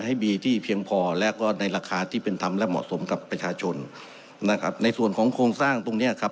ให้มีที่เพียงพอแล้วก็ในราคาที่เป็นธรรมและเหมาะสมกับประชาชนนะครับในส่วนของโครงสร้างตรงเนี้ยครับ